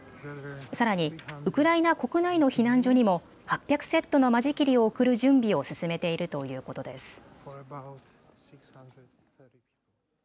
さらにウクライナ国内の避難所にも８００セットの間仕切りを送る準備を進めているということです。